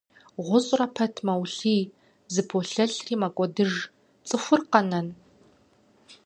ГъущӀрэ пэт мэулъий, зэполъэлъри мэкӀуэдыж, цӀыхур къэнэн?!